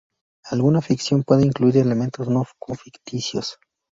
Alguna ficción puede incluir elementos no ficticios.